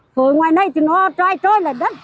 phơi ngoài này thì nó trôi trôi là đất